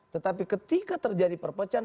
tetapi ketika terjadi perpecahan